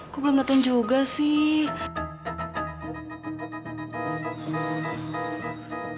aku belum datang juga sih